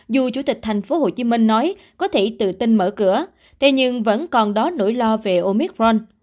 dù chủ tịch tp hcm nói có thể tự tin mở cửa thế nhưng vẫn còn đó nỗi lo về omic ron